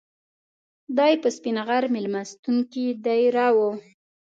دای په سپین غر میلمستون کې دېره و.